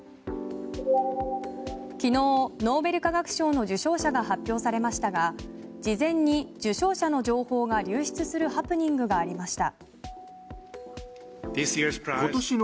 昨日ノーベル化学賞の受賞者が発表されましたが事前に受賞者の情報が流出するハプニングがありました。